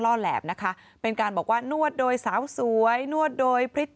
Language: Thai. แหลบนะคะเป็นการบอกว่านวดโดยสาวสวยนวดโดยพริก